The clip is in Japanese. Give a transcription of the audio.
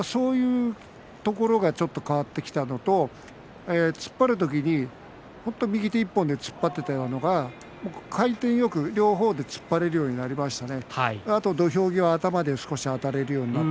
そういうところがちょっと変わっていったのと突っ張る時に右手１本で突っ張っていたのが回転よく両方で突っ張られるようになりましたね。